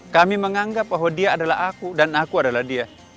kami menganggap bahwa dia adalah aku dan aku adalah dia